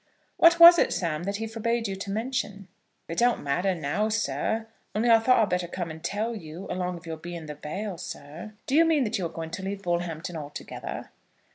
"What was it, Sam, that he forbade you to mention?" "It don't matter now, sir; only I thought I'd better come and tell you, along of your being the bail, sir." "Do you mean that you are going to leave Bullhampton altogether?"